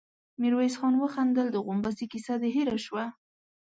ميرويس خان وخندل: د غومبسې کيسه دې هېره شوه؟